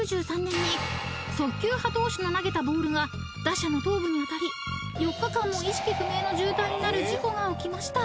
［速球派投手の投げたボールが打者の頭部に当たり４日間も意識不明の重体になる事故が起きました］